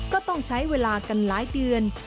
ก็ต้องใช้เวลากันหลายเดือน